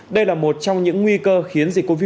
đây là một trong những nguy cơ khiến dịch covid một mươi chín